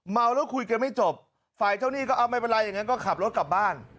เมาแล้วคุยกันไม่จบฝ่ายเจ้าหนี้ก็เอาไม่เป็นไรอย่างนั้นก็ขับรถกลับบ้าน